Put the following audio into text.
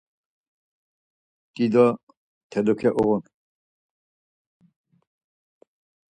Dido teluǩe uğun.